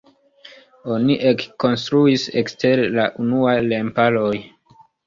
Oni ekkonstruis ekster la unuaj remparoj.